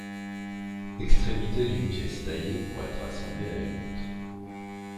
Extrémité d'une pièce taillée pour être assemblée à une autre.